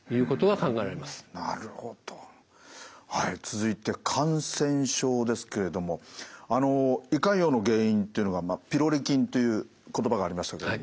続いて感染症ですけれどもあの胃潰瘍の原因というのがピロリ菌という言葉がありましたけれども。